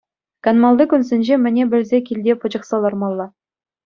Канмалли кунсенче мӗне пӗлсе килте пӑчӑхса лармалла.